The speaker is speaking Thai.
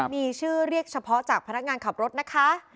มีชื่อเรียกเฉพาะจากพนักงานขับรถนะคะ